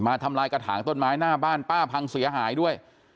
ทำลายกระถางต้นไม้หน้าบ้านป้าพังเสียหายด้วย